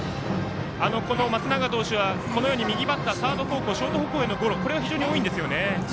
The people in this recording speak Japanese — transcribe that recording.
松永投手は右バッターサード方向へのゴロがこれが非常に多いんですよね。